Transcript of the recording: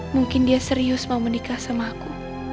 mungkin dia serius mau menikah sama aku